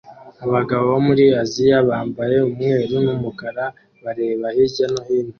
Abagabo bo muri Aziya bambaye umweru n'umukara bareba hirya no hino